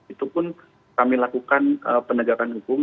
itu pun kami lakukan penegakan hukum